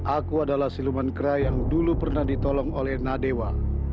aku adalah siluman kera yang dulu pernah ditolong oleh nadewa